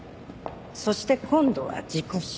そして今度は事故死。